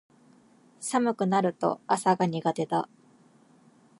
寒くなると朝が苦手だ